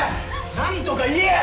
何とか言えよ！